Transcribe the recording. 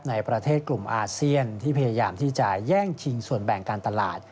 ในประเทศกลุ่มอาเซียนที่พยายามที่จะแย่งชิงส่วนแบ่งการตลาด